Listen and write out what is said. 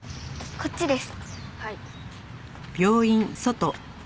こっちです。